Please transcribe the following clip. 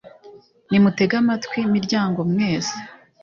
Nimutege amatwi, miryango mwese,